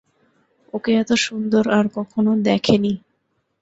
ওকে এত সুন্দর আর কখনো দেখে নি।